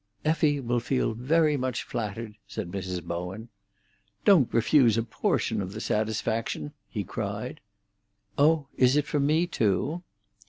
"Effie will feel very much flattered," said Mrs. Bowen. "Don't refuse a portion of the satisfaction," he cried. "Oh, is it for me too?"